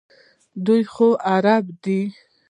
دوی خو عرب دي.